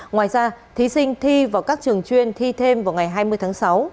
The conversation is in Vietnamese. ngoài ra thí sinh thi vào các trường chuyên thi thêm vào ngày hai mươi tháng sáu